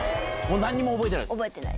何にも覚えてない？